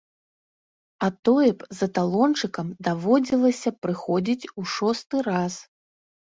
А тое б за талончыкам даводзілася прыходзіць у шосты раз.